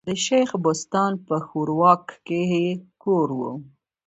د شېخ بستان په ښوراوک کي ئې کور ؤ.